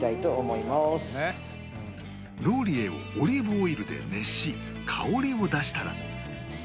ローリエをオリーブオイルで熱し香りを出したら